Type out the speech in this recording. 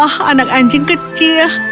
oh anak anjing kecil